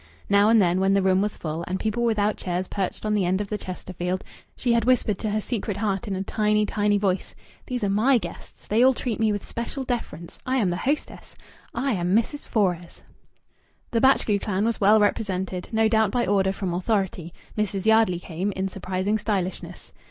Now and then when the room was full, and people without chairs perched on the end of the Chesterfield, she had whispered to her secret heart in a tiny, tiny voice: "These are my guests. They all treat me with special deference. I am the hostess. I am Mrs. Fores." The Batchgrew clan was well represented, no doubt by order from authority, Mrs. Yardley came, in surprising stylishness.